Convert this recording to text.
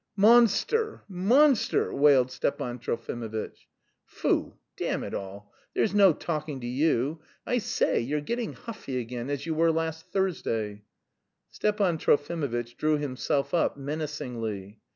"Monster, monster!" wailed Stepan Trofimovitch. "Foo, damn it all, there's no talking to you. I say, you're getting huffy again as you were last Thursday." Stepan Trofimovitch drew himself up, menacingly.